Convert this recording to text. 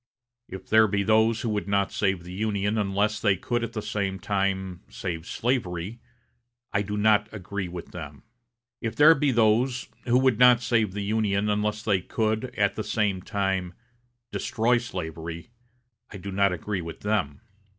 If there be those who would not save the Union unless they could at the same time save slavery, I do not agree with them. If there be those who would not save the Union unless they could, at the same time, destroy slavery, I do not agree with them.